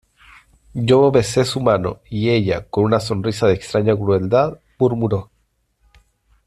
yo besé su mano, y ella , con una sonrisa de extraña crueldad , murmuró: